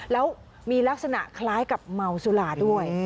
แล้วมีลักษณะคล้ายกับเมาสุราด้วย